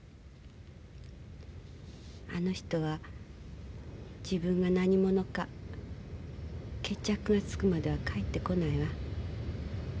あの人は自分が何者か決着がつくまでは帰ってこないわ。